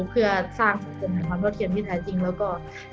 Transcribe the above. เพื่อสร้างกลี่ยมในความเท่าเทียมที่จริงแล้วก็